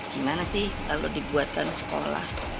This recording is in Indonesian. gimana sih kalau dibuatkan sekolah